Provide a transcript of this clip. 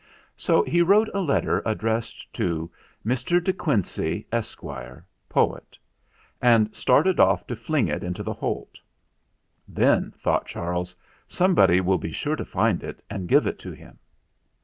So he wrote a letter addressed to "Mr. De Quincey, Esquire, Poet," and started off to fling it into the Holt. "Then," thought Charles, "somebody will be sure to find it and give it to him."